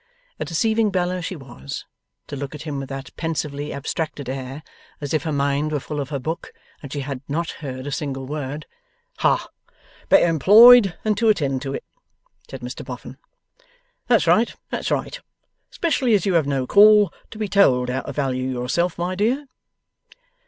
A deceiving Bella she was, to look at him with that pensively abstracted air, as if her mind were full of her book, and she had not heard a single word! 'Hah! Better employed than to attend to it,' said Mr Boffin. 'That's right, that's right. Especially as you have no call to be told how to value yourself, my dear.